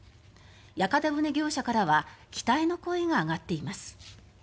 屋形船業者からは期待の声が上がっています。